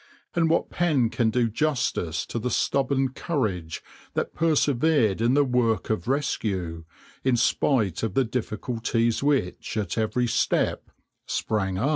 And what pen can do justice to the stubborn courage that persevered in the work of rescue, in spite of the difficulties which at each step sprang up?"